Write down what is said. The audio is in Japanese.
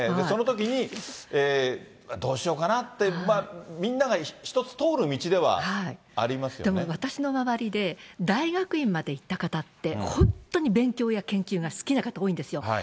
そのときにどうしようかなって、みんなが一つ通る道ではありでも私の周りで、大学院まで行った方って、本当に勉強や研究が好きな方、多いんですよ。